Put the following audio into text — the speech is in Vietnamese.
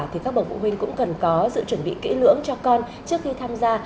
thì các bậc phụ huynh cũng cần có sự chuẩn bị kỹ lưỡng cho con trước khi tham gia